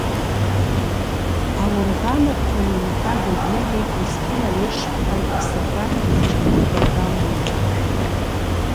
Аорӷан арҳәаҩы Лука Гаделиеи Кристина Ешԥҳаи асопрано иҷыдоу апрограмма еиқәдыршәеит.